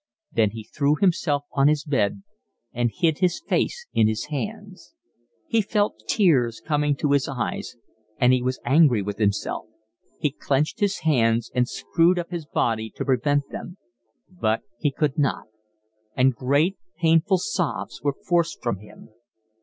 Then he threw himself on his bed and hid his face in his hands. He felt tears coming to his eyes, and he was angry with himself; he clenched his hands and screwed up his body to prevent them; but he could not; and great painful sobs were forced from him.